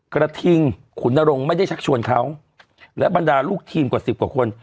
กระทิงขุนนรงค์ไม่ได้ชักชวนเขาและบรรดาลูกทีมกว่าสิบกว่าคน